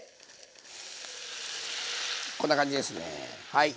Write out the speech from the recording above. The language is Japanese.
こんな感じですねはい。